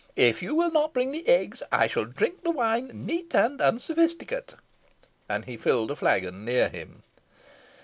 If you will not bring the eggs I shall drink the wine, neat and unsophisticate." And he filled a flagon near him.